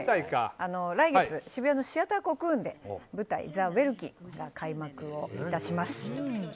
来月渋谷のシアターコクーンで舞台「ザ・ウェルキン」が開幕いたします。